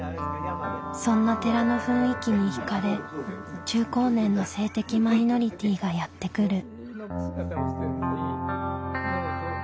そんな寺の雰囲気に惹かれ中高年の性的マイノリティーがやって来る。